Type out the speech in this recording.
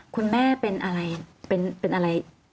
คุณแม่เป็นอะไรเป็นอะไร